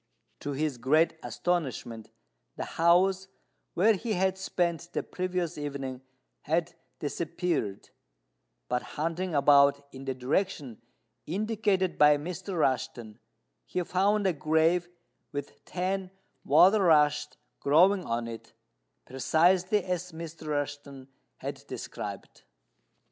To his great astonishment, the house where he had spent the previous evening had disappeared; but hunting about in the direction indicated by Mr. Rushten, he found a grave with ten water rushes growing on it, precisely as Mr. Rushten had described.